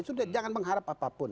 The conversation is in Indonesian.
sudah jangan mengharap apapun